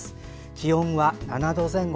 気温は７度前後。